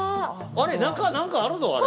◆あれ、中、なんかあるの、あれ。